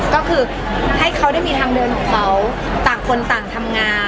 ก็คือให้เขาได้มีทางเดินของเขาต่างคนต่างทำงาน